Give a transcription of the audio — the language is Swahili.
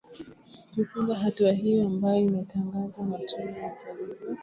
kupinga hatua hiyo ambayo imetangazwa na tume ya uchaguzi